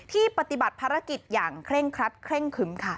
ปฏิบัติภารกิจอย่างเคร่งครัดเคร่งคึ้มค่ะ